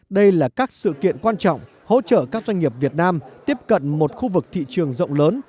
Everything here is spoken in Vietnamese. đây là các sự kiện quan trọng hỗ trợ các doanh nghiệp việt nam tiếp cận một khu vực thị trường rộng lớn